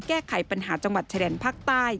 แก้ไขปัญหาจังหวัดชายแดนภาคใต้